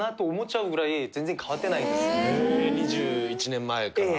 ２１年前から？